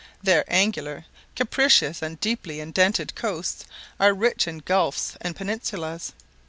Their angular, capricious, and deeply indented coasts are rich in gulfs and peninsulas.